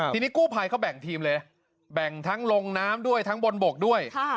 ทีนี้กู้ภัยเขาแบ่งทีมเลยแบ่งทั้งลงน้ำด้วยทั้งบนบกด้วย